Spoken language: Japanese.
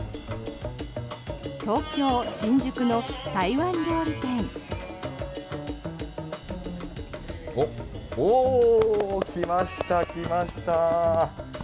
東京・新宿の台湾料理店。来ました、来ました。